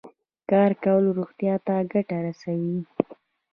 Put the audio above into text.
کار کول روغتیا ته ګټه رسوي.